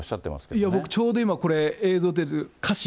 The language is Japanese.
いや僕、ちょうどこれ映像出てる、花芯。